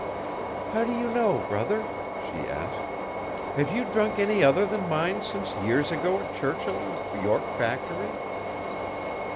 "How do you know, brother?" she asked. "Have you drunk any other than mine since years ago at Churchill and York Factory?"